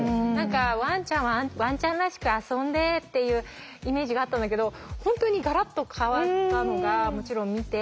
ワンちゃんはワンちゃんらしく遊んでっていうイメージがあったんだけど本当にガラッと変わったのがもちろん見て。